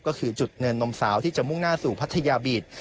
ก็คือจุดเนินนมสาวที่จะมุ่งหน้าสู่พัทยาบีต